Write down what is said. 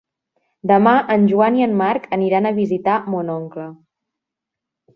Demà en Joan i en Marc aniran a visitar mon oncle.